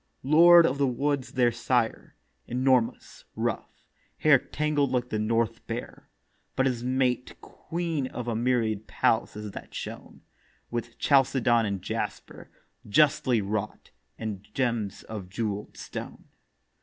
Lord of the Woods their Sire; enormous, rough, Hair tangled like the north bear: but his Mate Queen of a myriad palaces that shone With chalcedon and jasper, justly wrought, And gems of jewel'd stone.